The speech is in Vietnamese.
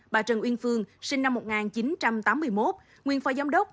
bà trần uyên phương sinh năm một nghìn chín trăm tám mươi một nguyên phó giám đốc